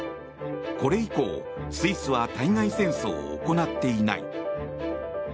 これ以降、スイスは対外戦争を行っていない。